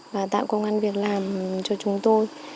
và tạo công an việc làm cho chúng tôi